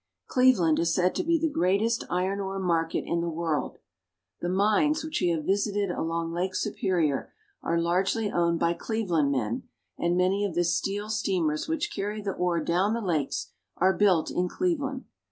Cleveland is said to be the greatest iron ore market in CLEVELAND. 191 the world. The mines which we have visited along Lake Superior are largely owned by Cleveland men, and many of the steel steamers which carry the ore down the lakes are built in Cleveland.